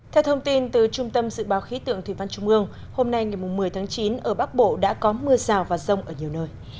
theo thông tin từ trung tâm dự báo khí tượng thủy văn trung ương hôm nay ngày một mươi tháng chín ở bắc bộ đã có mưa rào và rông ở nhiều nơi